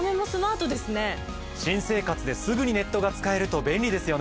新生活ですぐにネットが使えると便利ですよね。